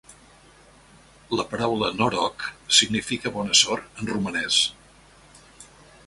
La paraula "noroc" significa "bona sort" en romanès.